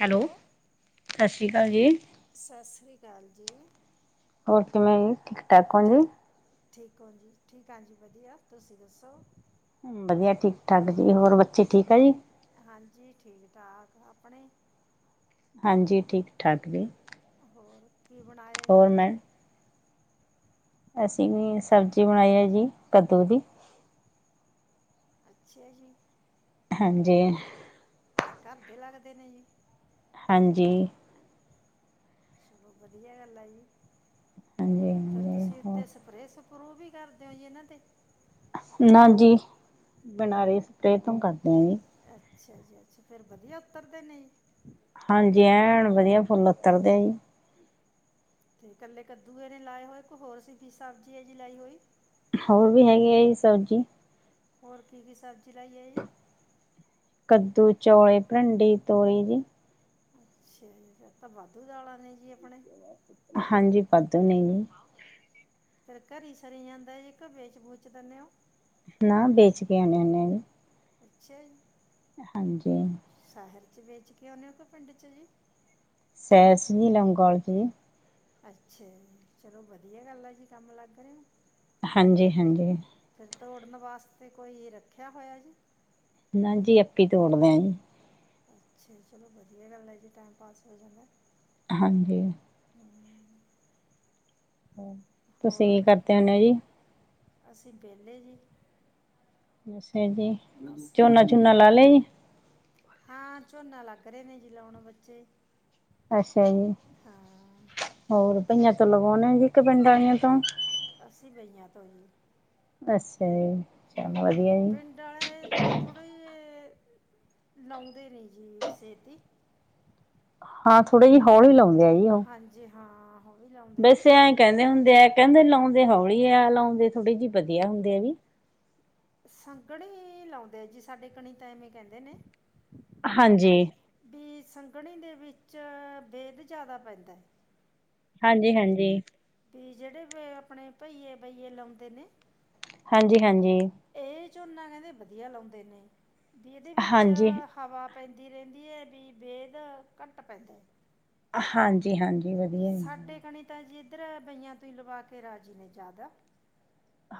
Hello, ਸਤਿ ਸ਼੍ਰੀ ਅਕਾਲ ਜੀ। ਸਤਿ ਸ਼੍ਰੀ ਅਕਾਲ ਜੀ, ਹੋਰ ਕਿਵੇਂ ਔ ਠੀਕ ਹੋ ਹਾ ਜੀ। ਠੀਕ ਠੀਕ ਹੋ ਜੀ ਠੀਕ ਹਾਂ ਜੀ, ਵਧੀਆ ਤੁਸੀਂ ਦੱਸੋ। ਵਧੀਆ ਠੀਕ ਠਾਕ ਜੀ ਹੋਰ ਬੱਚੇ ਠੀਕ ਆ ਜੀ, ਹਾਂਜੀ, ਠੀਕ ਠਾਕ ਆਪਣੇ, ਹਾਂਜੀ ਠੀਕ, ਠਾਕ ਜੀ, ਹੋਰ ਕੀ ਬਣਾਇਆ ਹੋਰ ਜੀ ਅੱਜ ਮੈਂ ਅਸੀਂ ਵੀ ਸਬਜ਼ੀ ਬਣਾਈ ਹੈ ਜੀ ਕੱਦੂ ਦੀ ਅੱਛਾ ਜੀ, ਹਾਂਜੀ, ਤੇ ਘਰ ਦੇ ਲਗਦੇ ਨੇ ਜੀ ਹਾਂਜੀ, [unintelligible] ਹਾਂਜੀ, ਫੇਰ ਹਾਂਜੀ ਤੁਸੀਂ ਹੋਰ ਉੱਥੇ ਸਪਰੇ, ਪ੍ਰੂਵ ਵੀ ਕਰਦੇ ਹੋ ਜਏ ਇਹਨਾਂ, ਹਜੀ ਬਨਾਰੇ ਸਪਰੇ ਤੋਂ ਕਰਦੇ ਆ ਜੀ। ਅੱਛਾ ਜੀ ਅੱਛਾ ਫੇਰ ਵਧੀਆ ਉੱਤਰਦੇ ਨੇ, ਹਾਂਜੀ ਐ ਵਧੀਆ ਫੁੱਲ ਉੱਤਰਦੇ ਆ ਜੀ। ਤੇ ਕੱਲੇ ਕੱਦੂ ਇਹ ਨੇੇ ਲਾਏ ਹੋਏ ਕੋ ਹੋਰ ਸੀ ਸਬਜ਼ੀ ਜਹੀ ਲਾਈ ਹੋਈ। ਹੋਰ ਵੀ ਹੈਗੇ ਆ ਜੀ ਸਬਜੀ, ਹੋਰ ਕੀ ਕੀ ਸਬਜ਼ੀ ਲਾਈ ਆ ਜੀ, ਕੱਦੂ ਚੌਲੇ ਭਰੀਡੀ ਤੋਰੀ ਜੀ, ਅੱਛਾ ਜੀ ਤਾਂ ਵਾਧੂ ਦਾਲਾਂ ਨੇ ਜੀ ਆਪਣੇ, ਹਾਂਜੀ ਵਦੂ ਨੇ ਜੀ, ਫੇਰ ਘਰੀ ਸਰੀ ਜਾਂਦਾ ਜੇ ਵੇਚ ਵੂਚ ਦਿੰਦੇ ਹੋ। ਨਾ ਵੇਚ ਕੇ ਆਣੇ ਉਹਨੇ ਵੀ, ਅੱਛਾ ਜੀ, ਹਾਂਜੀ, ਸ਼ਹਿਰ ਚ ਵੇਚ ਕੇ ਆਉਨੇ ਪਿੰਡ ਚ ਜੀ, ਸਹਿਰ ਚ ਲੋਗੋਆਲ ਜੀ, ਅੱਛਾ ਜੀ ਚਲੋ ਵਧੀਆ ਗੱਲ ਆ ਜੀ ਕੰਮ ਲੱਗ ਰਹੇ ਹੋ। ਹਾਂਜੀ ਹਾਂਜੀ, ਫਿਰ ਤੋੜਨ ਵਾਸਤੇ ਕੋਈ ਰੱਖਿਆ ਹੋਇਆ ਜੀ। ਨਾ ਜੀ ਆਪੇ ਤੋੜਦੇ ਜੀ, ਅੱਛਾ ਚਲੋ ਵਧੀਆ ਗੱਲ ਹੈ, ਜੀ ਟਾਈਮ ਪਾਸ ਹੋ ਜਾਂਦਾ। ਹਾਂਜੀ, ਹਮ, ਤੁਸੀਂ ਹੋਰ ਕੀ ਕਰਦੇ ਹੁਨੇ ਔ ਜੀ, ਅਸੀਂ ਵਿਹਲੇ ਜੀ, ਅੱਛਾ, ਹ ਜੀ ਬਸ ਝੋਨਾ-ਝੋਨਾ ਲਾਇਆ ਜੀ, ਹਾਂ ਝੋਨਾ ਲੱਗ ਰਹੇ ਨੇ ਜੀ ਲਾਉਣ ਬੱਚੇ, ਅੱਛਾ ਜੀ ਹਾਂ ਹੋਰ ਬ ਲਗਾਉਨੇ ਔ ਜੀ ਜਾ ਪਿੰਡ ਵਾਲੀਆਂ ਤੋਂ, ਅੱਸੀ ਬਈਆਂ ਤੋਂ ਹੀ, ਅੱਛਾ ਜੀ, ਹਾਂ ਚਲੋ ਵਧੀਆ ਜੀ ਪਿੰਡ ਵਾਲੇ ਤਾਂ ਥੋੜਾ ਜਿ ਲਾਉਂਦੇ ਨਹੀਂ ਜੀ ਛੇਤੀ, ਹਾਂ ਥੋੜੇ ਜਿ ਹੌਲੀ ਹੀ ਲਾਦੇ ਆ ਜੀ ਉਹ ਹਾਂਜੀ ਹਾਂ ਉਹ ਵੀ ਲਾਉਂਦੇ ਨੇ। ਵੈਸੇ ਐਂ ਕਹਿੰਦੇ ਹੁੰਦੇ ਆ ਕਹਿੰਦੇ ਲਾਉਂਦੇ ਹੌਲੀ ਆ ਲਾਉਦੇ ਥੋੜੀ ਜਿਹੀ ਵਧੀਆ ਹੁੰਦੇ ਆ ਵੀ, ਸੰਘਣੀ ਲਾਉਂਦੇ ਆ ਜੀ ਸਾਡੇ ਕਣੀ ਤਾਂ ਐਵੇਂ ਕਹਿੰਦੇ ਨੇ, ਹਾਂਜੀ, ਵੀ ਸੰਘਣੀ ਦੇ ਵਿੱਚ ਵੇਦ ਜਿਆਦਾ ਪੈਂਦਾ ਹੈ। ਹਾਂਜੀ ਹਾਂਜੀ, ਵੀ ਜਿਹੜੇ ਵੀ ਆਪਣੇ ਭਹੀਏ ਬਈਏ ਲਾਉਂਦੇ ਨੇ, ਹਾਂਜੀ-ਹਾਂਜੀ, ਇਹ ਝੋਨਾ ਕਹਿੰਦੇ ਵਧੀਆ ਲਾਉਂਦੇ ਨੇ, ਵੀ ਇਹਦੇ ਵਿੱਚ ਹਾਂਜੀ ਹਵਾ ਪੈਂਦੀ ਰਹਿੰਦੀ ਹੈ ਬ ਬੇਦ ਘੱਟ ਪੈਂਦਾ ਹੈ। ਹਾਂਜੀ-ਹਾਂਜੀ, ਵਧੀਆ ਸਾਡੇ ਕਣੀ ਤਾਂ ਜੀ, ਇੱਧਰ ਬਈਆਂ ਤੋਂ ਹੀ ਲਵਾ ਕੇ ਰਾਜੀ ਨੇ ਜ਼ਿਆਦਾ,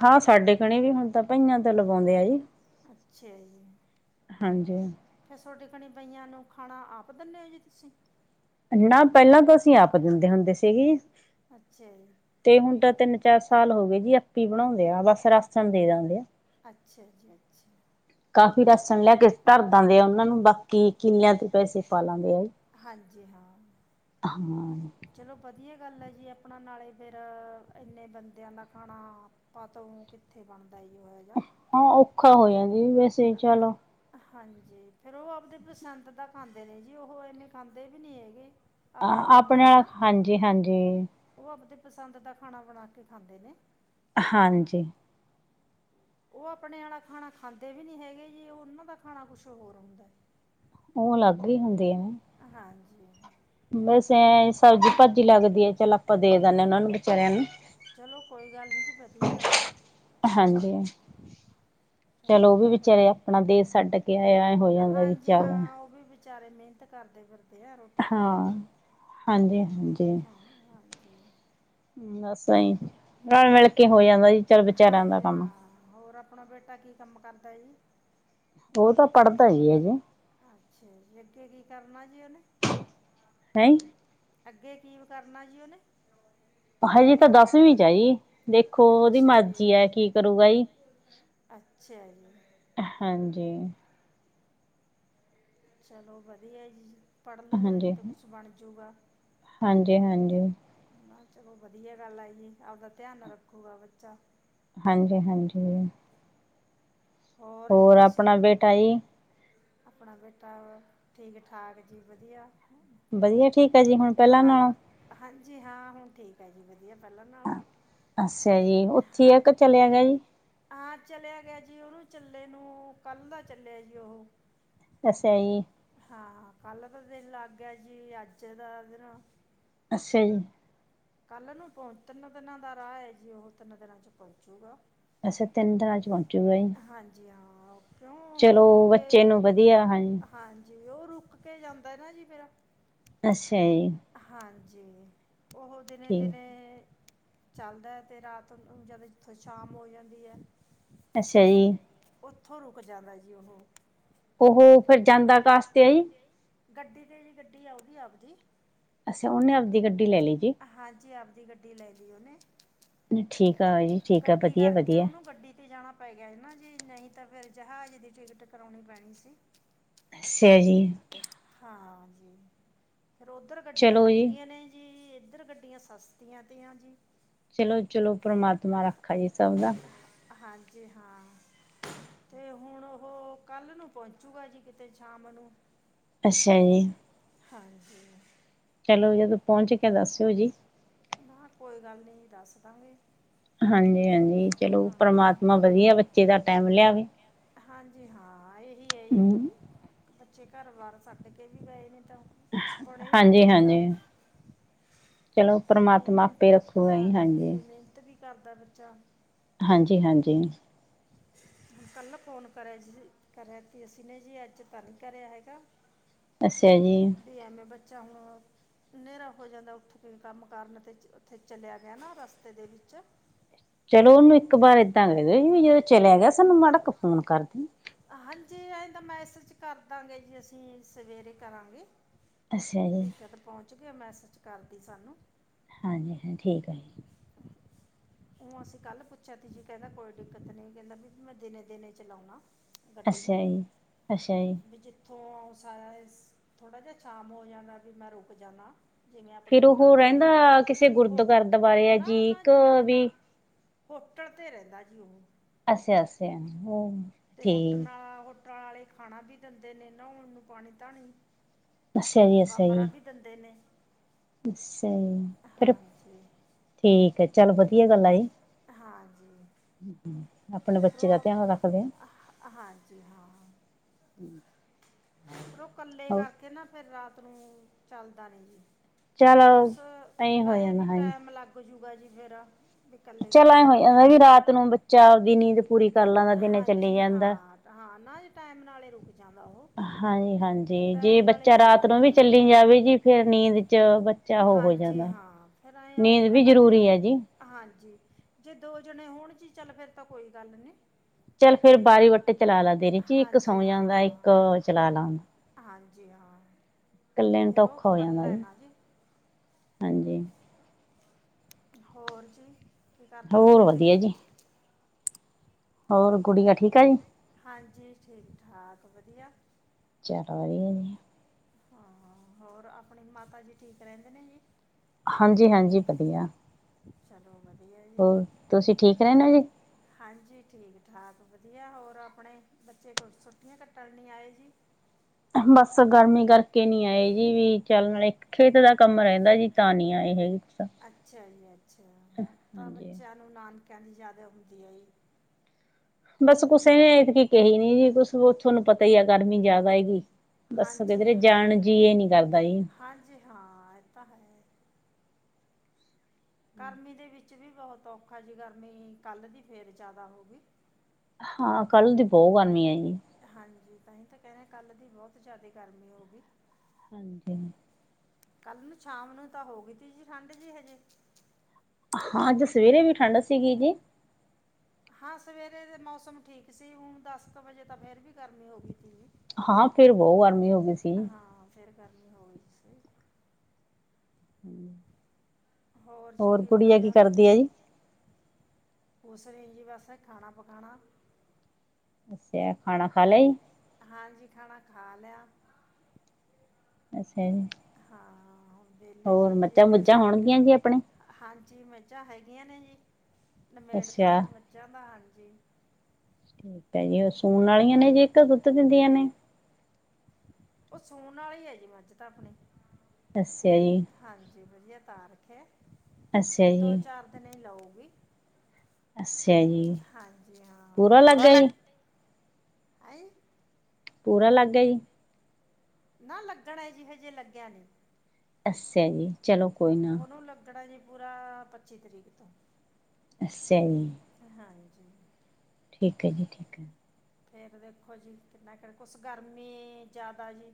ਹਾਂ ਸਾਡੇ ਕਣੇ ਵੀ ਹੁਣ ਤਾਂ ਬਈਆਂ ਤਾਂ, ਉਂਦੇ ਆ ਜੀ, ਅੱਛਾ ਜੀ ਹਾਂਜੀ ਫੇਰ ਤੋਡੀ ਕਣੀ ਬਈਆਂ ਨੂੰ, ਖਾਣਾ ਆਪ ਦਿੰਨੇ ਹੋ ਜੀ ਤੁਸੀਂ ਨਾ ਪਹਿਲਾਂ ਤੋਂ ਅਸੀਂ ਆਪ ਦਿੰਦੇ ਹੁੰਦੇ ਸੀਗੇ ਅੱਛਾ ਜੀ ਤੇ ਹੁਣ ਤਾਂ ਤਿੰਨ ਚਾਰ ਸਾਲ ਹੋ ਗਏ ਜੀ ਆਪ ਹੀ ਬਣਾਉਂਦੇ। ਆ ਬਸ ਰਾਸਣ ਦੇ ਦਿੰਦੇ ਆ। ਅੱਛਾ ਜੀ ਅੱਛਾ, ਕਾਫ਼ੀ ਰਾਸ਼ਨ ਲੈ ਕੇ ਧਰਦਾ ਦੇ ਆ ਉਹਨਾਂ ਨੂੰ ਬਾਕੀ ਕਿੱਲਿਆਂ ਤੇ ਪੈਸੇ ਪਾ ਲਾਂਦੇ ਆ ਹਾਂਜੀ ਹਾਂ ਹਾਂ। ਚਲੋ ਵਧੀਆ ਗੱਲ ਹੈ ਜੀ ਆਪਣਾ ਨਾਲੇ ਫੇਰ ਇੰਨੇ ਬੰਦਿਆਂ ਦਾ ਖਾਣਾ ਆਪ ਤ ਕਿੱਥੇ ਬਣਦਾ ਜੀ ਉਹ ਜਿਹਾ ਹਾਂ ਔਖਾ ਹੋ ਜਾਦਾ ਵੈਸੇ ਚਲ, ਹਾਂਜੀ ਫੇਰ ਉਹ ਆਪਦੇ ਪਸੰਦ ਦਾ ਖਾਂਦੇ ਨੇ ਜੀ ਉਹ ਇਨੇ ਖਾਂਦੇ ਵੀ ਨਹੀਂ ਹੈਗੇ। ਅ ਆਪਣਾ ਆਮ ਆਪਣੇ ਖਾਣਾ ਹਾਂਜੀ-ਹਾਂਜੀ, ਉਹ ਆਪਦੇ ਪਸੰਦ ਦਾ ਖਾਣਾ ਬਣਾ ਕੇ ਖਾਂਦੇ ਨੇ, ਹਾਂਜੀ, ਉਹ ਆਪਣੇ ਆਲਾ ਖਾਣਾ ਖਾਂਦੇ ਵੀ ਨੀ ਹੈਗੇ ਜੀ ਉਹਨਾਂ ਦਾ ਖਾਣਾ ਕੁਛ ਹੋਰ ਹੁੰਦਾ। [unintelligible] ਉਹ ਅਲੱਗ ਹੀ ਹੁੰਦੇ ਆ। ਹਾਂਜੀ ਵੈਸੇ ਸਬਜ਼ੀ [inaudible] ਚਲਨ। [unintelligible] ਚਲੋ ਕੋਈ ਗੱਲ ਨੀ ਜੀ ਵਧੀਆ ਗੱਲ ਹੈ ਹਾਂਜੀ ਚਲੋ ਉਹ ਵੀ ਚੋ ਵਿਚਾਰੇ ਵਧੀਆ ਆਪਣਾ ਦੇਸ਼ ਛੱਡ ਕੇ ਆਏ ਐ ਹੋ ਜਾਂਦਾ ਹਾਂਜੀ ਵਿਚਾਰਾ ਹਾਂ ਉਹ ਵੀ। [unintelligible] ਬਾਰੇ ਮਿਹਨਤ ਕਰਦੇ ਫਿਰ। [unintelligible] ਹਾਂ ਹਾਂਜੀ-ਹਾਂਜੀ ਹਾਂ ਹਾਂਜੀ ਬਸ। [unintelligible] ਸਹੀ। [unintelligible] ਹਾਂਜੀ ਕੰਮ ਹਾਂ ਹੋਰ ਆਪਣਾ ਬੇਟਾ ਕੀ ਕੰਮ ਕਰਦਾ ਜੀ। ਉਹ ਤਾਂ ਪੜ੍ਹਦਾ ਹੀ ਹਜੇ, ਅੱਛਾ ਜੀ ਅੱਗੇ ਕੀ ਕਰਨਾ ਜੇ ਉਹ, [unintelligible] ਹੈ ਅੱਗੇ ਕੀ ਕਰਨਾ ਜੀ ਉਹਨੇ? ਹਜੇ ਤਾਂ ਦਸਵੀਂ ਵਿਚ ਐ ਜੀ, ਦੇਖੋ ਉਹਦੀ ਅੱਛਾ ਜੀ ਮਰਜ਼ੀ ਹੈ ਕੀ ਕਰੂਗਾ ਜੀ ਅੱਛਾ ਜੀ ਹਾਂਜੀ, ਚਲੋ ਵਧੀਆ ਜੀ, ਪੜ੍ਹ ਲੂਗਾ ਜੇ ਤਾਂ ਕੁਛ ਬਣ ਜੂਗਾ। ਹਾਂਜੀ-ਹਾਂਜੀ, ਚਲੋ ਵਧੀਆ ਗੱਲ ਆਈਏ ਆਪਦਾ ਧਿਆਨ ਰੱਖੂਗਾ ਬੱਚਾ, ਹਾਂਜੀ-ਹਾਂਜੀ, ਜੀ ਹੋਰ ਤੁਸੀਂ ਆਪਣਾ ਬੇਟਾ ਜੀ, ਆਪਣਾ ਬੇਟਾ ਹੋ ਠੀਕ ਠਾਕ ਜੀ ਵਧੀਆ। ਵਧੀਆ ਠੀਕ ਆ ਜੀ ਹੁਣ ਪਹਿਲਾਂ ਨਾਲੋ, ਜੀ ਹਾਂ ਹੁਣ ਠੀਕ ਆ ਜੀ ਵਧੀਆ। ਪਹਿਲਾਂ ਨਾਲੋਂ ਅੱਛਾ ਜੀ ਉੱਥੇ ਆ ਕੇ ਚਲਿਆ ਗਿਆ ਜੀ ਹਾਂ ਚਲਿਆ ਗਿਆ ਜੀ ਉਹੋ, ਚੱਲੇ ਨੂੰ ਕੱਲ ਦਾ ਚੱਲਿਆ ਜੀ ਉਹ, ਅੱਛਾ ਜੀ ਹਾਂ ਕੱਲ ਦਾ, ਦਿਨ ਲੱਗ ਗਿਆ ਜੀ ਅੱਜ ਦਾ ਦਿਨ, ਅੱਛਾ ਜੀ, ਕੱਲ ਨੂੰ ਤਿੰਨ ਦਿਨਾਂ ਦਾ ਰਾਹ ਹੈ ਜੀ ਉਹ ਤਿੰਨ ਦਿਨਾਂ ਚ ਪਹੁੰਚੂਗਾ। ਅਸ ਤਿੰਨ ਦਿਨਾਂ ਵਿੱਚ ਪਹੁੰ ਹਾਂਜੀ ਹਾਂ, ਕਿਉਂ ਉਹ ਚਲੋ ਰੁਕ ਬੱਚੇ ਨੂੰ ਵਧੀਆ ਹਾਂਜੀ, ਜੀ ਉਹ ਰੁਕ ਕੇ ਜਾਂਦਾ ਨਾ ਜੀ ਫਿਰ, ਅੱਛਾ ਜੀ, ਜੀ, ਉਹ ਠੀਕ ਦਿਨੇ-ਦਿਨੇ, ਚੱਲਦਾ ਹੈ ਤੇ ਰਾਤ ਜਦ ਇਥੇ ਸ਼ਾਮ ਹੋ ਜਾਂਦੀ ਹੈ। ਅੱਛਾ ਜੀ, ਉੱਥੋਂ ਰੁਕ ਜਾਂਦਾ ਜੀ ਉਹ ਉਹ ਫੇਰ ਜਾਂਦਾ ਕਾਸਤੇ ਐ? ਗੱਡੀ ਤੇ ਜੇ ਗੱਡੀ ਆਉਗੀ ਆਪਦੀ ਅੱਛਾ ਉਹਨੇ ਆਪਦੀ ਗੱਡੀ ਲੈ ਲੀ ਕਿ ਦੀ ਗੱਡੀ ਲੈ ਲਈ ਉਹਨੇ ਠੀਕ ਆ ਜੀ ਠੀਕ ਆ ਗੱਡੀ ਵਧੀਆ ਕਰਕੇ ਵਧੀਆ। ਉਹਨੂੰ ਗੱਡੀ ਤੇ ਜਾਣਾ ਪੈ ਗਿਆ ਸੀ, ਨਾ ਜੀ ਨਹੀਂ ਤਾਂ ਫਿਰ ਜਹਾਜ਼ ਦੀ ਟਿਕਟ ਕਰਾਉਣੀ ਪੈਣੀ ਸੀ। ਅੱਛਾ ਜੀ। ਹਾਂ ਜੀ। ਫਿਰ ਉਧਰ ਗੱਡੀਆਂ ਚਲੋ ਜੀ ਮਹਿੰਗੀਆਂ ਨੇ ਜੀ। ਇੱਧਰ ਗੱਡੀਆਂ ਸਸਤੀਆਂ ਤੇ ਆ ਜੀ। ਚਲੋ-ਚਲੋ, ਪ੍ਰਮਾਤਮਾ ਰੱਖਾ ਜੀ ਸਭ ਦਾ ਹਾਂ ਜੀ ਹਾਂ ਤੇ ਹੁਣ ਉਹ ਕੱਲ ਨੂੰ ਪਹੁੰਚੂਗਾ ਜੀ ਕਿਤੇ ਸ਼ਾਮ ਨੂੰ ਅੱਛਾ ਜੀ। ਹਾਂਜੀ ਚਲੋ ਜਦੋਂ ਪਹੁੰਚ ਕੇ ਦੱਸਿਓ ਜੀ। ਨਾ ਕੋਈ ਗੱਲ ਨੀ ਦੱਸ ਦਾਂਗੇ। ਹਾਂਜੀ-ਹਾਂਜੀ, ਚਲੋ ਹਾਂਜੀ ਪਰਮਾਤਮਾ ਵਧੀਆ ਬੱਚੇ ਦਾ ਟੈਮ ਲਿਆਵੇ। ਹਾਂਜੀ ਹਾਂ ਇਹ ਹੂੰ ਬੱਚੇ ਘਰ ਬਾਹਰ ਸੱਟ ਕੇ ਵੀ ਗਏ ਨੇ ਤਾਂ ਕੁਛ ਬਣੇ ਵੀ ਹਾਂਜੀ ਬੱਚੇ ਹਾਂਜੀ, ਦਾ ਚਲੋ। ਵੀ ਪਰਮਾਤਮਾ ਆਪੇ ਮਿਹਨਤ ਰੱਖੂ ਗਾ ਜੀ ਹਾਂਜੀ। ਵੀ ਮਿਹਨਤ ਵੀ ਕਰਦਾ ਬੱਚਾ ਹਾਂਜੀ ਹਾਂਜੀ। ਹ ਕੱਲ ਫੋਨ ਕਰਿਆ ਜੀ ਕਰਿਆ ਤੇ ਅਸੀਂ ਨੇ ਜੀ ਅੱਜ ਤਾ ਨਹੀਂ ਕਰਿਆ ਹੈਗਾ। ਅੱਛਾ ਜੀ, ਵੀ ਐਵੇਂ ਬੱਚਾ ਹੁਣ ਹਨੇਰਾ ਹੋ ਜਾਂਦਾ ਉੱਠ ਕੇ ਕੰਮ ਕਰਨ ਤੇ ਉੱਥੇ ਚਲਿਆ ਗਿਆ ਨਾ ਰਸਤੇ ਦੇ ਵਿੱਚ ਚਲੋ ਉਹਨੂੰ ਇੱਕ ਵਾਰ ਏਦਾਂ ਕ ਦ ਜਦੋਂ ਚਲਿਆ ਗਿਆ ਸਾਨੂੰ ਮਾੜਾ ਕੇ ਫੋਨ ਕਰਦੀ। ਹਾਂਜੀ ਇਹ ਤਾਂ ਮੈਸੇਜ ਕਰਦਾਂਗੇ ਜੀ ਅਸੀਂ ਸਵੇਰੇ ਕਰਾਂਗੇ। ਅੱਛਾ ਜੀ। ਗਿਆ ਮੈਸਜ ਕਰਦੀ ਸਾਨੂੰ ਹਾਂਜੀ ਹਾਂ ਠੀਕ ਹੈ ਜੀ। ਉਹ ਅਸੀਂ ਕੱਲ ਪੁੱਛਿਆ ਤੀਜੀ ਕਹਿੰਦਾ ਕੋਈ ਦਿੱਕਤ ਨ ਕਹਿੰਦਾ ਵੀ ਮੈਂ ਦਿਨੇ ਦਿਨੇ ਚਲਾਉਣਾ ਅੱਛਿਆ ਜੀ ਅੱਛਿਆ ਜੀ, ਉਥੋਂ ਸਾਰਾ ਥੋੜਾ ਜਿਹਾ ਸ਼ਾਮ ਹੋ ਜਾਂਦਾ ਵੀ ਮੈਂ ਰੁਕ ਜਾਂਦਾ। ਫੇਿਰ ਉਹ ਰਹਿੰਦਾ ਕਿਸੇ ਹੋ ਗੁਰਦਗਰਦ ਬਾਰੇ ਨਾ ਨਾ ਅਜੀੀਕ ਜੀ ਨਾ ਵੀ ਨਾ ਹੋਟਲ ਤੇ ਰਹਿੰਦਾ ਜੀ ਉਹ ਅਛ ਅਸਿਆ ਤੇ ਹੋਟਲ ਨਾਲ ਹੋ ਟਾਂ ਵਾਲੇ ਖਾਣਾ ਵੀ ਦਿੰਦੇ ਨੇ ਨਾਣ ਨੂੰ ਪਾਣੀ ਧਣੀ ਕਮਰਾ ਵੀ ਦਿੰਦੇ ਨੇ ਸਹੀ ਫਿਰ ਹਾਂਜੀ ਠੀਕ ਹੈ ਚੱਲ ਵਧੀਆ ਗੱਲ ਆ ਜੀ ਹਾਂਜੀ ਆਪਣੇ ਫਿਰ ਬੱਚੇ ਦਾ ਧਿਆਨ ਰੱਖਦੇ ਨੇ ਉਹ ਹਾਂਜੀ ਰੁੱਖ ਇਕੱਲੇ ਕਰਕੇ ਨਾ ਫਿਰ ਰਾਤ ਤਨੂੰ ਚੱਲਦਾ ਨੀ ਜੀ ਚੱਲ ਕੁ ਵਸ ਐ ਹੋ ਜਾਂਦਾ ਵੀ ਟੈਮ ਲੱਗ ਜਊ ਹੋਊਗਾ ਜੀ ਫੇਿਰ ਚਲਾ ਹੀ ਹੋ ਵੀ ਰਾਤ ਨੂੰ ਬੱਚਾ ਆਪਦੀ ਨੀ ਪੂਰੀ ਕਰਲਾਾਂ ਦਾ ਦਿਨ ਚੱਲੀ ਹਾਂਜੀ ਜਾਂਦਾ ਹਾਂ ਹਾਂ ਟਾਈਮ ਨਾਲੇ ਰੁਕ ਜਾਂਦਾ ਉਹ ਹਾਂਜੀ ਹਾਂਜੀ ਜੇ ਟਾਈਮ ਨਾਲੇ ਬੱਚਾ ਚੱਲ ਰਾਤ ਨੂੰ ਵੀ ਪੈਂਦਾ ਚੱਲੀ ਜਾਵੇ ਜੀ ਫੇਿਰ ਨੀਂਦ ਚ ਬੱਚਾ ਉਹ ਹੋ ਹਾਂਜੀ ਜਾਂਦਾ ਹਾਂ ਫਿਰ ਐਂ ਨੀਂਦ ਔਖਾ ਵੀ ਨਾ ਜੇ ਜ਼ਰੂਰੀ ਆ ਜੀ ਹਾਂਜੀ ਜੇ ਦੋ ਜਣੇ ਹੋਣ ਜੀ ਚੱਲ ਫੇਰ ਤਾਂ ਕੋਈ ਗੱਲ ਨੀ ਚੱਲ ਫੇਿਰ ਬਾਰੀ ਵੱਟੇ ਚਲਾ ਲਾ ਦੇ ਰਹੀ ਜੀ ਇੱਕ ਹਾਂਜੀ ਸੌ ਜਾਂਦਾ ਇੱਕ ਹਾਂ ਚਲਾ ਹਾਂ ਲਾਉਂਦਾ ਜੀ ਹਾਂਜੀ ਹ ਕੱਲੇ ਨੂੰ ਫਿਰ ਉਹ ਤਾਂੋਖਾ ਹੋ ਜਾਂਦਾ ਇਕੱਲਾ ਹੈ ਜੀ ਨਾ ਹਾਂਜੀ ਹੋਰ ਜੀ ਕੀ ਕਰਦੇ ਨੇ ਹੋਰ ਉਹਦੇਨ ਵਧੀਆ ਜੀ ਹੋਰ ਗੁੜੀਆਂ ਹਾਂਜੀ ਠੀਕ ਠਾਕ ਵੀ ਵਧੀਆ ਚਲਾ ਦੀਆਂ ਨਹੀਂ ਆ ਹਾਂ ਹੋਰ ਆਪਣੀ ਮਾਤਾ ਜੀ ਠੀਕ ਰਹਿੰਦੇ ਨੇ ਜੀ ਹਾਂਜੀ ਹਾਂਜੀ ਵਧੀਆ ਚਲੋ ਵਧੀਆ ਜੀ ਹੋਰ ਤੁਸੀਂ ਠੀਕ ਰਹਿੰਦੇ ਜੀ ਹਾਂਜੀ ਠੀਕ ਠਾਕ ਵਧੀਆ ਹੋਰ ਆਪਣੇ ਬੱਚੇ ਕੋ ੱਟੀਆਂ ਕੱਟਣ ਨੀ ਆਏ ਜੀ ਬਸ ਗਰਮੀ ਕਰਕੇ ਕੇ ਨਹੀਂ ਆਏ ਜੀ ਵੀ ਚੱਲ ਨਾਲ ਇੱਕ ਖੇਤ ਦਾ ਕੰਮ ਰਹਿੰਦਾ ਜੀ ਤਾਂ ਨਹੀਂ ਆਏ ਹੈ। ਅੱਛਾ ਜੀ ਅੱਛਾ ਹਾਂਜੀ। ਕਨੀ ਜ਼ਿਆਦਾ ਉਦੀ ਹੈ। ਬਸ ਕੁਸੇ ਨੇ ਐਤਕੀ ਕਹੀ ਨੀ ਜੀ ਥੋਹਾਨੂੰ ਪਤਾ ਤਾਂ ਹੀ ਆ ਗਰਮੀ ਜਿਆਦਾ ਹੈਗੀ। ਬਸ ਹਾਂਜੀ ਕਿਧਰੇ ਹਾਂ ਜਾਣ ਜੀਅ ਨੀ ਕਰਦਾ ਜੀ ਹਾਂਜੀ ਹਾਂ ਇਹ ਤਾਂ ਹੈ ਗਰਮੀ ਦੇ ਵਿੱਚ ਵੀ ਬਹੁਤ ਔਖਾ ਜੀ ਗਰਮੀ ਕੱਲ ਦੀ ਫੇਰ ਜਿਆਦਾ ਹੋਊਗੀ। ਹਾਂ ਕੱਲ੍ਹ ਦੀ ਬਹੁਤ ਕਰਨੀ ਆ ਜੀ। ਕੱਲ ਦੀ ਬਹੁਤ ਜਿਆਦਾ ਗਰਮੀ ਹੋ ਗਈ। ਹਾਂਜੀ। ਕੱਲ ਨੂੰ ਸ਼ਾਮ ਨੂੰ ਤਾਂ ਹੋ ਗਈ ਤੀ ਜੀ ਠੰਡ ਜੀ ਹਜੇ। ਹਾਂ ਸਵੇਰੇ ਵੀ ਠੰਡ ਸੀਗੀ ਜੀ ਹਾਂ ਸਵੇਰੇ ਦੇ ਮੌਸਮ ਠੀਕ ਸੀ ਹੁਣ ਦਸ ਕੁ ਵਜੇ ਤਾਂ ਫੇਰ ਵੀ ਗਰਮੀ ਹੋ ਗਈ। ਤੀ ਜੀ ਹਾਂ ਫੇਰ ਬਹੁ ਗਰਮੀ ਹੋ ਗਈ ਸੀ। ਹਾਂ ਫਿਰ ਗਰਮੀ ਹੋਈ ਸੀ। ਹੂੰ ਹੋਰ ਜੀ ਕੀ ਬਣਾਣੇ ਹੁੰਦੇ ਹੈ ਜੀ ਸਰੀ ਜੀ ਵੈਸੇ ਖਾਣਾ ਪਕਾਣਾ [unintelligible] ਤੇ ਖਾਣਾ ਖਾ ਲਿਆਈ। ਹਾਂਜੀ ਖਾਣਾ ਖਾ ਲਿਆ। ਅੱਛਾ। ਹਾਂ ਹੁਣ ਵਿਹਲੇ ਹੋਰ ਤੀ ਮਝਾਂ ਮੁੱਝਾਂ ਹੋਣਗੀਆਂ ਆਪਣੇ ਜੀ ਮਜ਼ਾਂ ਹੈਗੀਆਂ ਨੇ ਜੀ। ਨਮੇੜਤਾ ਅੱਛਾ ਜੀ ਮੱਝਾਂ ਦਾ ਹਲ ਜੀ ਠੀਕ ਹੈ ਜੀ ਉਹ ਸੂਨ ਵਾਲੀਆਂ ਨੇ ਜੀ ਇੱਕ ਦੁੱਧ ਦਿੰਦੀਆਂ ਨੇ। ਉਹ ਸੋਣ ਵਾਲੇ ਹੈ ਜੀ ਮੱਝ ਤਾਂ ਆਪਣੀ ਅੱੱਛਾ ਆ ਜੀ ਵੀ ਤਾਰਖੇ ਅੱਛਾ ਦੋ ਜੀ ਚਾਰ ਦਿਨ ਹੀ ਲਉ। ਅੱਛਾ ਜੀ ਹਾਂਜੀ ਪੂਰਾ ਲਾਗਾ ਜੀ। ਆਏ, ਪੂਰਾ ਲੱਗ ਗਿਆ ਜੀ, ਨਾ ਲੱਗਣਾ ਏ ਜੀ ਹਜੇ ਲੱਗਿਆ ਨੀ, ਅੱਛਿਆ ਜੀ, ਚਲੋ ਕੋਈ ਨਾ, ਲੱਗਣਾ ਜੀ ਪੂਰਾ ਪੱਚੀ ਤਰੀਕ ਤੋਂ, ਅੱਛਾ ਜੀ, ਜੀ [unintelligible] ਠੀਕ ਹੈ ਜੀ ਠੀਕ ਹੈ, ਫੇਰ ਦੇਖੋ ਜੀ ਕਿੰਨਾ ਕਿ ਕੁਛ ਗਰਮੀ ਜਿਆਦਾ ਜੀ,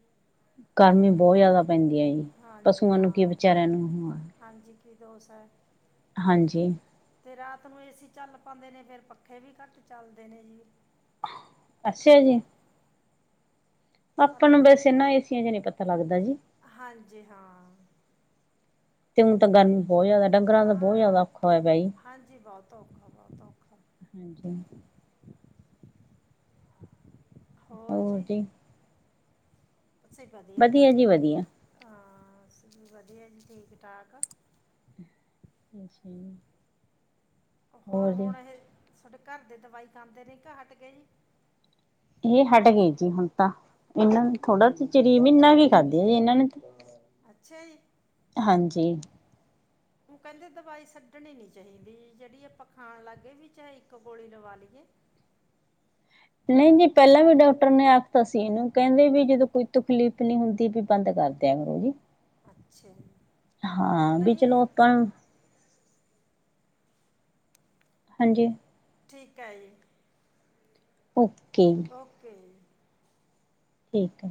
ਗਰਮੀ ਬਹੁਤ ਜ਼ਿਆਦਾ ਪੈਂਦੀ ਹੈ ਜੀ ਹਾਂਜੀ ਪਸੂਆਂ ਨੂੰ ਕੀ ਵਿਚਾਰਿਆਂ ਨੂੰ, ਕਿ ਦੋਸੌ, ਹਾਂਜੀ, ਤੇ ਰਾਤ ਨੂੰ ਏਸੀ ਚੱਲ ਪੇਦੇ ਨੇ ਫਿਰ ਪੱਖੇ ਵੀ ਘੱਟ ਚੱਲਦੇ ਨੇ ਜੀ, ਅੱਛਿਆ ਜੀ, ਪਰ ਆਪਾਂ ਕ ਨੂੰ ਵਸ ਇਹਨਾਂ ਏਸੀਆਂ ਚ ਨ ਪਤਾ ਲੱਗਦਾ ਜੀ। ਹਾਂਜੀ ਹਾਂ ਤੇ ਹੁਣ ਤਾਂ ਗਰਮੀ ਬਹੁਤ ਜ਼ਿਆਦਾ ਡੰਗਰਾਂ ਦਾ ਬਹੁਤ ਹਾਂ ਜ਼ਿਆਦਾ ਔਖਾ ਹੋਇਆ ਪਿਆ ਹਾਂਜੀ ਬਹੁਤ ਔਖਾ ਬਹੁਤ ਔਖਾ ਜੀ। ਹੋਰ ਜੀ, ਅੇ ਵਧੀਆ ਜੀ ਤੇੇ ਹਾਂ, ਬਸ ਵੀ ਵਧੀਆ ਜੀ ਠੀਕ-ਠਾਕ, ਅੱਛਾ, ਹੋਰ ਹੁਣ ਇਹ ਸਾਡੇ, ਘਰ ਦੇ ਦਵਾਈ ਖਾਂਦੇ ਨੇ ਕੇ ਹਟਗੇ ਜੀ। ਇਹ ਹਟ ਗਏ ਜੀ ਹੁਣ ਤਾਂ ਇਹਨਾਂ ਨੂੰ ਥੋੜਾ ਜਾ ਚਿਰ ਈ ਮਹੀਨਾ ਕੀ ਖਾਧੇ ਜੀ ਇਹਨਾਂ ਨੇ ਅੱਛਾ ਜੀ ਹਾਂਜੀ, ਉਹ ਕਹਿੰਦੇ ਦਵਾਈ ਛੱਡਣੀ ਨੀ ਚਾਹੀਦੀ ਜਿਹੜੀ ਆ ਆਪਾਂ ਖਾਣ ਲੱਗਗੇ ਵੀ ਚਾਹੇ ਇੱਕ ਗੋਲੀ ਲਵਾ ਲਈਏ। ਨਹੀਂ ਜੀ ਪਹਿਲਾਂ ਵੀ ਡਾਕਟਰ ਨੇ ਆਖਤਾ ਸੀ ਇਹਨੂੰ ਕਹਿੰਦੇ ਵੀ ਜਦੋਂ ਕੋਈ ਤਕਲੀਫ਼ ਨੀ ਹੁੰਦੀ ਵੀ ਬੰਦ ਕਰਦਿਆਂ ਕਰੋ ਜੀ। [unintelligible] ਹਾਂ ਵੀ ਨਹੀਂ ਇਹ ਚਲੋ ਆਪਾਂ, ਹਾਂਜੀ, ਠੀਕ ਹੈ ਜੀ, [unintelligible] ਓਕੇ ਜੀ, ਠੀਕ ਹੈ,